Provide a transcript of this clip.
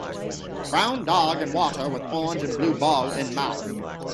Brown dog in water with orange and blue ball in mouth